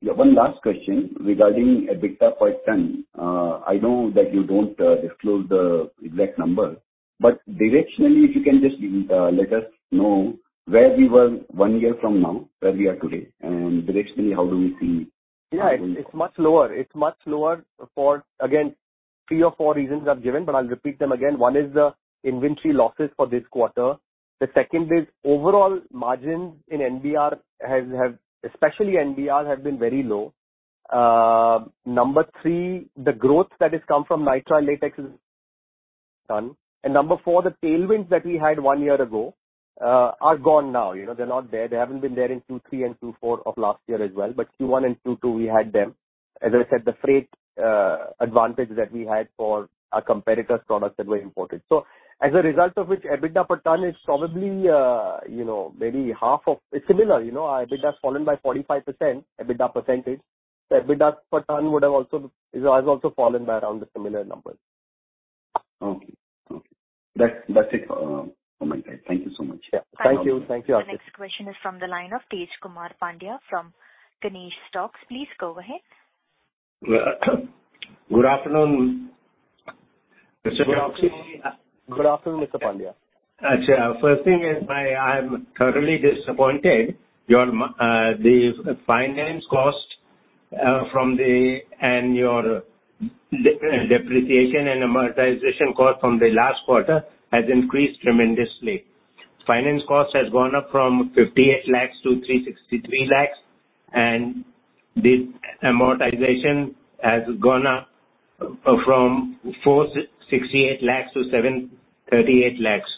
Yeah. One last question regarding EBITDA per ton. I know that you don't disclose the exact number, but directionally, if you can just let us know where we were one year from now, where we are today, and directionally, how do we see. Yeah, it's much lower. It's much lower for three or four reasons I've given. I'll repeat them again. One is the inventory losses for this quarter. The second is overall margins in NBR, especially NBR, have been very low. Number three, the growth that has come from nitrile latex is done. Number four, the tailwinds that we had one year ago are gone now. You know, they're not there. They haven't been there in Q3 and Q4 of last year as well. Q1 and Q2, we had them. As I said, the freight advantage that we had for our competitors products that were imported. As a result of which, EBITDA per ton is probably, you know, maybe half. It's similar, you know, our EBITDA has fallen by 45%, EBITDA percentage. EBITDA per ton has also fallen by around the similar number. Okay. Okay. That's it for my time. Thank you so much. Yeah. Thank you. Thank you. The next question is from the line of Tej Kumar Pandya from Ganesh Stocks. Please go ahead. Well, good afternoon, Mr. Tej. Good afternoon, Mr. Pandya. Actually, first thing is I'm thoroughly disappointed. The finance cost and your depreciation and amortization cost from the last quarter has increased tremendously. Finance cost has gone up from 58 lakhs to 363 lakhs, and the amortization has gone up from 468 lakhs to 738 lakhs.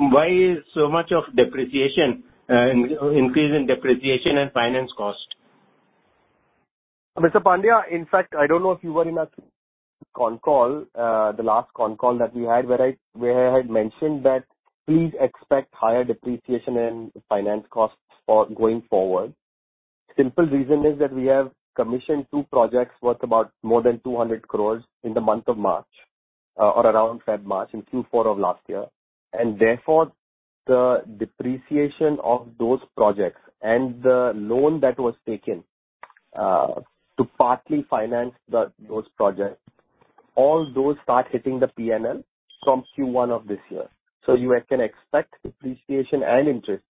Why so much of depreciation, increase in depreciation and finance cost? Mr. Pandya, in fact, I don't know if you were in our con call, the last con call that we had, where I, where I had mentioned that please expect higher depreciation and finance costs for going forward. Simple reason is that we have commissioned two projects worth about more than 200 crores in the month of March, or around Feb, March, in Q4 of last year. Therefore, the depreciation of those projects and the loan that was taken, to partly finance the, those projects, all those start hitting the PNL from Q1 of this year. You can expect depreciation and interest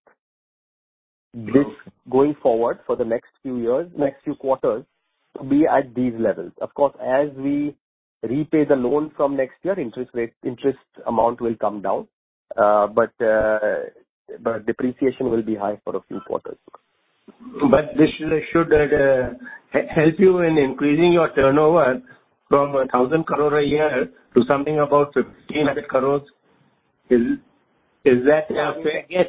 this going forward for the next few years, next few quarters, to be at these levels. Of course, as we repay the loan from next year, interest rate, interest amount will come down, but depreciation will be high for a few quarters. This should help you in increasing your turnover from 1,000 crore a year to something about 1,500 crores. Is that fair? Yes.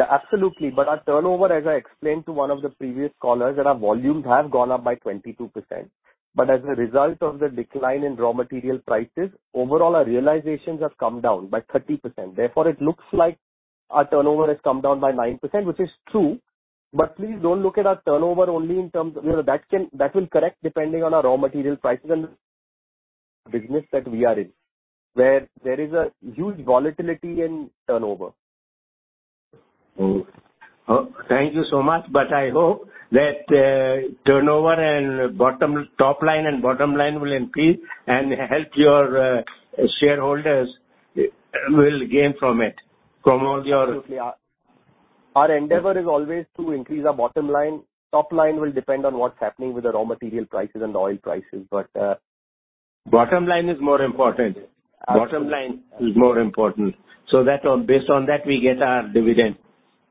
Absolutely. Our turnover, as I explained to one of the previous callers, and our volumes have gone up by 22%. As a result of the decline in raw material prices, overall, our realizations have come down by 30%. Therefore, it looks like our turnover has come down by 9%, which is true, but please don't look at our turnover only in terms of... You know, that will correct depending on our raw material prices and the business that we are in, where there is a huge volatility in turnover. Oh. Thank you so much. I hope that turnover and top line and bottom line will increase and help your shareholders will gain from it, from all your. Absolutely. Our endeavor is always to increase our bottom line. Top line will depend on what's happening with the raw material prices and the oil prices. But. Bottom line is more important. Absolutely. Bottom line is more important. That on, based on that, we get our dividend.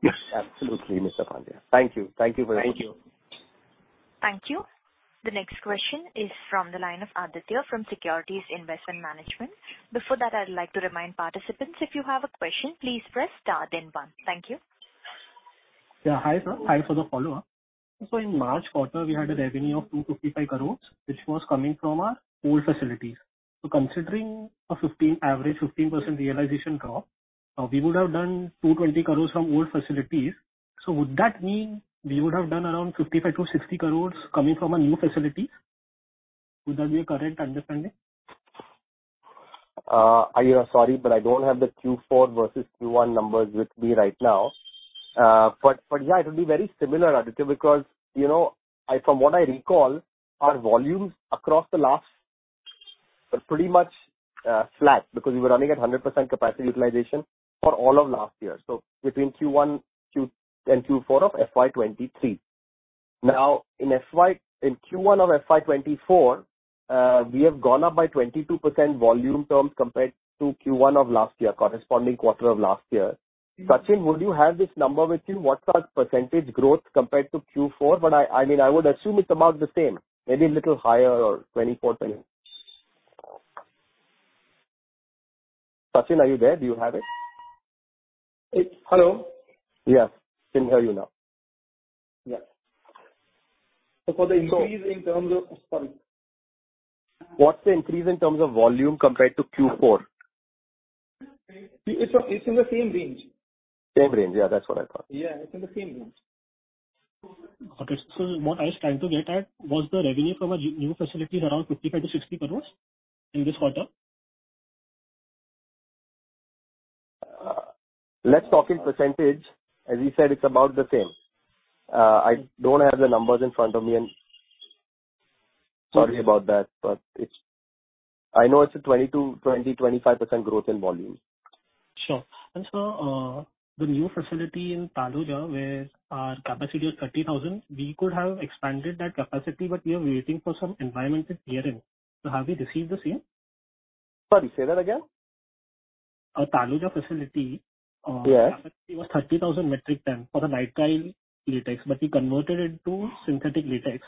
Yes, absolutely, Mr. Pandya. Thank you. Thank you for that. Thank you. Thank you. The next question is from the line of Aditya from Securities Investment Management. Before that, I'd like to remind participants, if you have a question, please press star then 1. Thank you. Yeah, hi, sir. Thanks for the follow-up. In March quarter, we had a revenue of 255 crores, which was coming from our old facilities. Considering average 15% realization drop, we would have done 220 crores from old facilities. Would that mean we would have done around 55-60 crores coming from our new facilities? Would that be a correct understanding? I... Sorry, but I don't have the Q4 versus Q1 numbers with me right now. Yeah, it will be very similar, Aditya, because, you know, I, from what I recall, our volumes across the last were pretty much flat, because we were running at 100% capacity utilization for all of last year. Between Q1 and Q4 of FY23. In FY, in Q1 of FY24, we have gone up by 22% volume terms compared to Q1 of last year, corresponding quarter of last year. Sachin, would you have this number with you? What's our percentage growth compared to Q4? I mean, I would assume it's about the same, maybe a little higher or 24%. Sachin, are you there? Do you have it? Hello. Yes, I can hear you now. Yeah. for the increase in terms of... Sorry. What's the increase in terms of volume compared to Q4? It's in the same range. Same range. Yeah, that's what I thought. Yeah, it's in the same range. Okay. What I was trying to get at, was the revenue from our new facilities around 55-60 crores in this quarter? Let's talk in %. As we said, it's about the same. I don't have the numbers in front of me, and sorry about that, but I know it's a 20, 25% growth in volume. Sure. The new facility in Taloja, where our capacity is 30,000, we could have expanded that capacity, but we are waiting for some environmental clearing. Have we received the same? Sorry, say that again. Our Taloja facility. Yes. It was 30,000 metric tons for the nitrile latex, but we converted it to synthetic latex.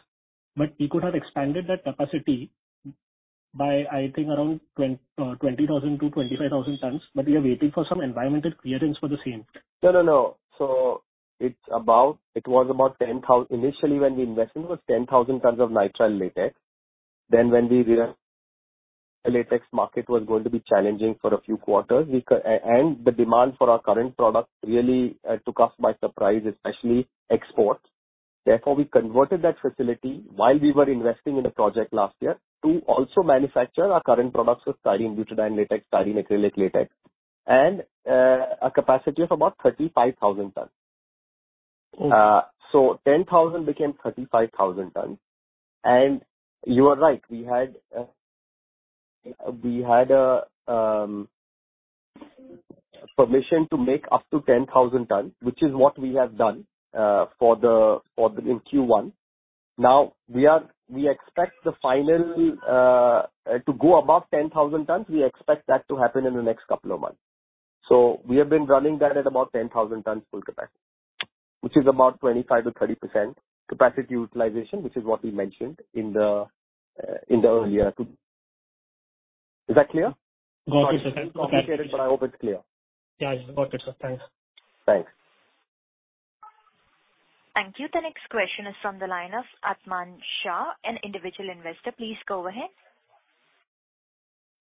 We could have expanded that capacity by, I think, around 20,000-25,000 tons, but we are waiting for some environmental clearance for the same. No, no. It was about 10,000... Initially, when we invested, it was 10,000 tons of nitrile latex. When we realized the latex market was going to be challenging for a few quarters, and the demand for our current product really took us by surprise, especially exports. Therefore, we converted that facility while we were investing in a project last year to also manufacture our current products with styrene butadiene latex, styrene acrylic latex, and a capacity of about 35,000 tons. 10,000 became 35,000 tons. You are right, we had a permission to make up to 10,000 tons, which is what we have done for the in Q1. We expect the final to go above 10,000 tons. We expect that to happen in the next couple of months. We have been running that at about 10,000 tons full capacity, which is about 25%-30% capacity utilization, which is what we mentioned in the earlier. Is that clear? Got it, sir. Complicated, but I hope it's clear. Yeah, I got it, sir. Thanks. Thanks. Thank you. The next question is from the line Aatman Shah, an individual investor. Please go ahead.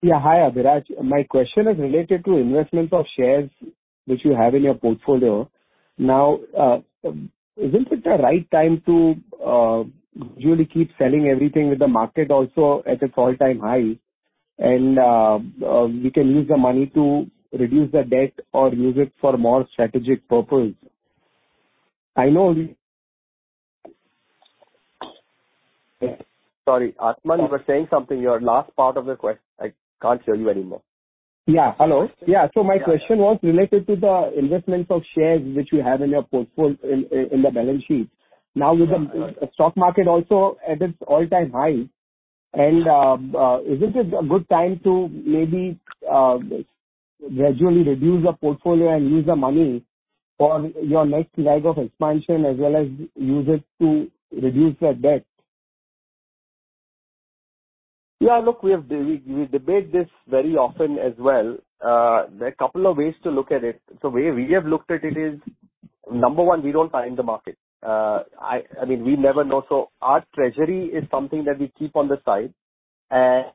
Yeah, hi, Abhiraj. My question is related to investments of shares which you have in your portfolio. Isn't it the right time to usually keep selling everything with the market also at an all-time high and we can use the money to reduce the debt or use it for more strategic purpose? I know. Sorry, Aatman, you were saying something, your last part of the Quest-. I can't hear you anymore. Yeah. Hello. Yeah. My question was related to the investments of shares, which you have in your in the balance sheet. With the stock market also at its all-time high and isn't it a good time to maybe gradually reduce the portfolio and use the money for your next leg of expansion, as well as use it to reduce the debt? Look, we debate this very often as well. There are a couple of ways to look at it. The way we have looked at it is, number one, we don't time the market. I mean, we never know. Our treasury is something that we keep on the side, and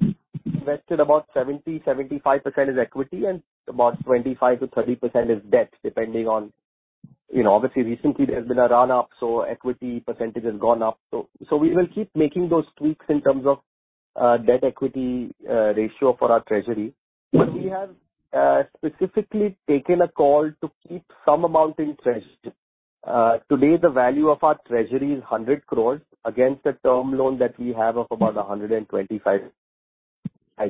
we invested about 70%-75% is equity, and about 25%-30% is debt, depending on, you know, obviously, recently there's been a run-up, so equity percentage has gone up. We will keep making those tweaks in terms of debt-equity ratio for our treasury. We have specifically taken a call to keep some amount in treasury. Today, the value of our treasury is 100 crore against the term loan that we have of about 125.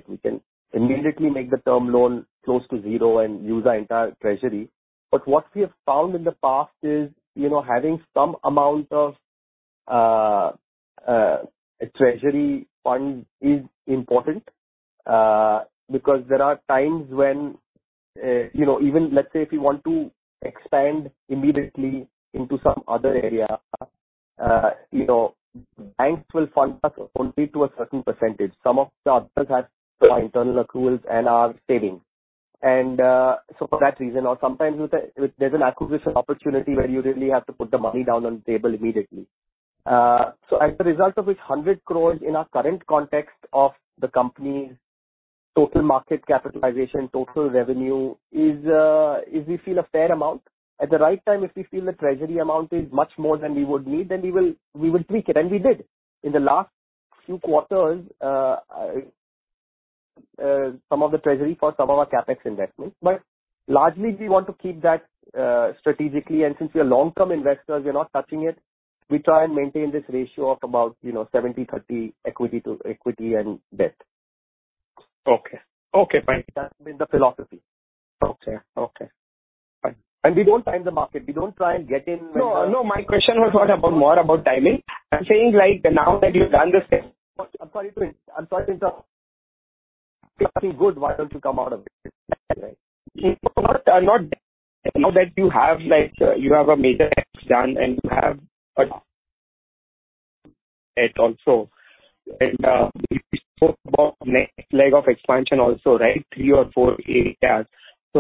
We can immediately make the term loan close to zero and use our entire treasury. What we have found in the past is, you know, having some amount of a treasury fund is important, because there are times when, you know, even let's say, if you want to expand immediately into some other area, you know, banks will fund us only to a certain percentage. Some of the others have our internal accruals and our savings. For that reason, or sometimes there's an acquisition opportunity where you really have to put the money down on the table immediately. As a result of this, 100 crores in our current context of the company, total market capitalization, total revenue is, we feel a fair amount. At the right time, if we feel the treasury amount is much more than we would need, then we will tweak it, and we did. In the last few quarters, some of the treasury for some of our CapEx investments. Largely, we want to keep that strategically, and since we are long-term investors, we are not touching it. We try and maintain this ratio of about, you know, 70, 30 equity to equity and debt. Okay. Okay, fine. That's been the philosophy. Okay, okay. We don't time the market. We don't try and get in. No, no, my question was not about, more about timing. I'm saying, like, now that you've done this step, I'm sorry to good, why don't you come out of it? Not now that you have, like, you have a major X done, and you have a it also, and you spoke about next leg of expansion also, right? Three or four areas.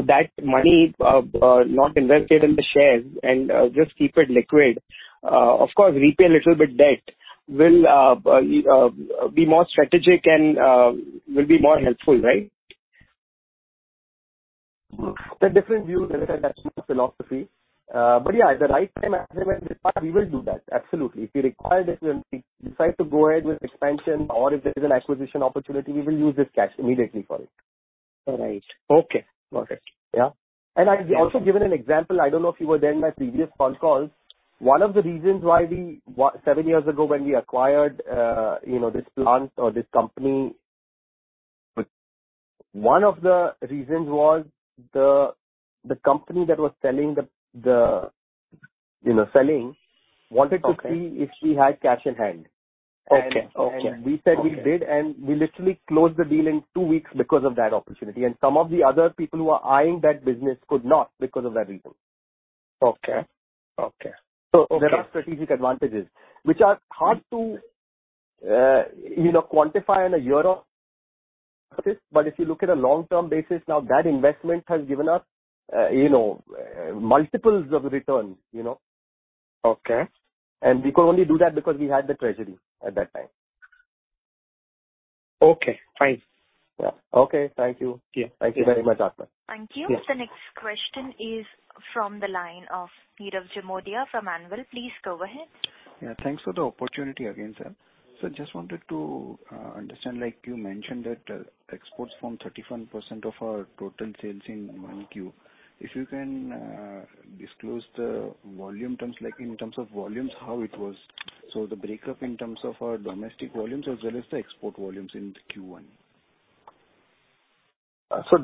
That money not invested in the shares and just keep it liquid. Of course, repay a little bit debt will be more strategic and will be more helpful, right? There are different views, different investment philosophy. But yeah, at the right time, as and when we will do that, absolutely. If we require this, when we decide to go ahead with expansion or if there is an acquisition opportunity, we will use this cash immediately for it. Right. Okay, perfect. Yeah. I've also given an example, I don't know if you were there in my previous calls. One of the reasons why we seven years ago, when we acquired, you know, this plant or this company, one of the reasons was the company that was selling the, you know, selling, wanted to see if we had cash in hand. Okay. Okay. We said we did, and we literally closed the deal in 2 weeks because of that opportunity. Some of the other people who are eyeing that business could not because of that reason. Okay. Okay. There are strategic advantages which are hard to, you know, quantify in a year of but if you look at a long-term basis now, that investment has given us, you know, multiples of return, you know? Okay. We could only do that because we had the treasury at that time. Okay, fine. Yeah. Okay. Thank you. Yeah. Thank you very much, Aatman. Thank you. Yes. The next question is from the line of Parth Jhamtani from Anvil. Please go ahead. Yeah. Thanks for the opportunity again, sir. I just wanted to understand, like you mentioned, that exports form 31% of our total sales in one Q. If you can disclose the volume terms, like in terms of volumes, how it was. The breakup in terms of our domestic volumes as well as the export volumes in Q1.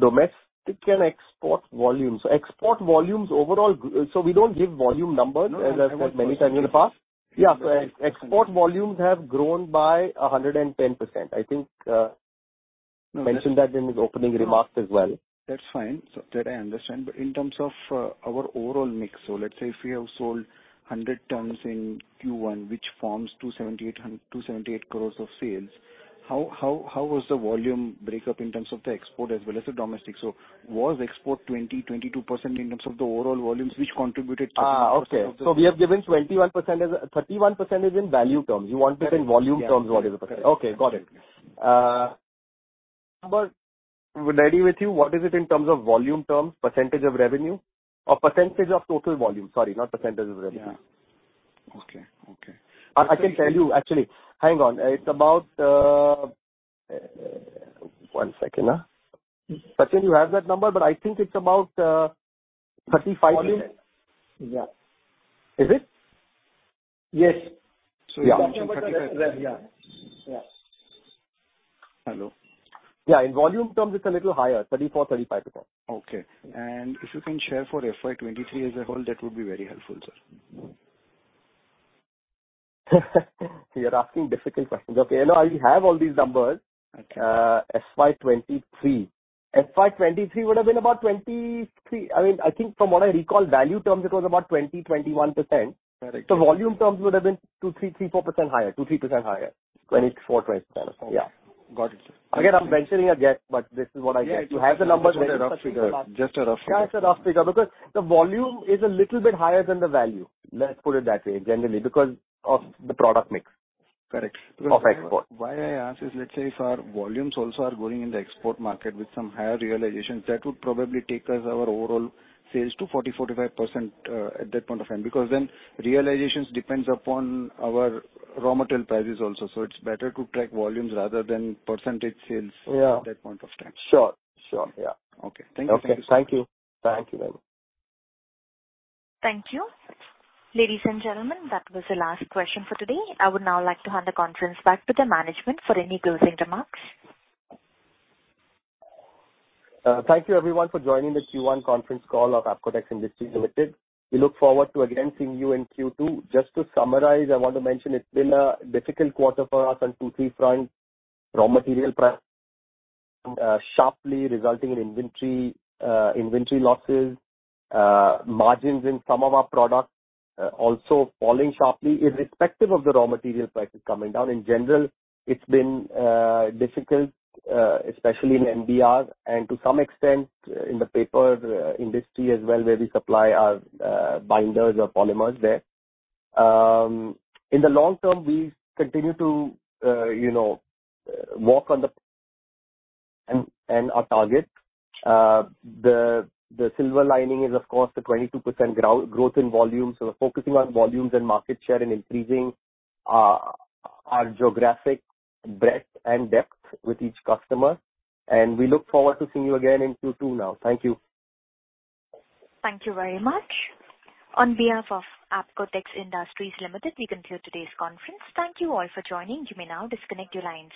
Domestic and export volumes. Export volumes overall, so we don't give volume numbers, as I said many times in the past. Yeah. Yeah, export volumes have grown by 110%. I think mentioned that in his opening remarks as well. That's fine. That I understand. In terms of our overall mix, let's say if we have sold 100 tons in Q1, which forms 278 crores of sales, how was the volume breakup in terms of the export as well as the domestic? Was export 22% in terms of the overall volumes which contributed. Okay. We have given 21%. 31% is in value terms. You want it in volume terms, what is the %? Okay, got it. We ready with you, what is it in terms of volume terms, % of revenue or % of total volume? Sorry, not % of revenue. Yeah. Okay. Okay. I can tell you, actually. Hang on, it's about one second. Sachin, you have that number, but I think it's about 35. Volume. Yeah. Is it? Yes. Yeah. Yeah. Yeah. Hello. Yeah, in volume terms, it's a little higher, 34%-35%. Okay. If you can share for FY 2023 as a whole, that would be very helpful, sir. You're asking difficult questions. Okay, I know I have all these numbers. Okay. FY 2023. FY 2023 would have been about 23. I mean, I think from what I recall, value terms, it was about 20%, 21%. Correct. Volume terms would have been 2, 3, 4% higher. 2, 3% higher. 24, 20%. Yeah. Got it. Again, I'm mentioning a guess, but this is what I get. Yeah. You have the numbers. Just a rough figure. Yeah, it's a rough figure, because the volume is a little bit higher than the value. Let's put it that way, generally, because of the product mix. Correct. Of export. Why I ask is, let's say if our volumes also are going in the export market with some higher realizations, that would probably take us our overall sales to 40%-45%, at that point of time, because then realizations depends upon our raw material prices also. It's better to track volumes rather than percentage sales. Yeah. at that point of time. Sure. Yeah. Okay. Thank you. Okay. Thank you. Thank you very much. Thank you. Ladies and gentlemen, that was the last question for today. I would now like to hand the conference back to the management for any closing remarks. Thank you, everyone, for joining the Q1 conference call of Apcotex Industries Limited. We look forward to again seeing you in Q2. Just to summarize, I want to mention it's been a difficult quarter for us on 2, 3 fronts. Raw material price, sharply resulting in inventory losses, margins in some of our products, also falling sharply, irrespective of the raw material prices coming down. In general, it's been difficult, especially in NBR and to some extent in the paper industry as well, where we supply our binders or polymers there. In the long term, we continue to, you know, work on our targets. The silver lining is, of course, the 22% growth in volume. We're focusing on volumes and market share and increasing our geographic breadth and depth with each customer, and we look forward to seeing you again in Q2 now. Thank you. Thank you very much. On behalf of Apcotex Industries Limited, we conclude today's conference. Thank you all for joining. You may now disconnect your lines.